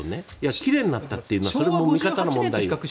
奇麗になったというのはそれは見方の問題で。